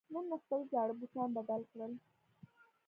نن مې خپل زاړه بوټان بدل کړل.